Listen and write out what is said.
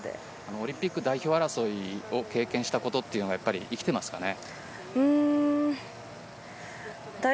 オリンピック代表争いを経験したことというのは生きていますかね？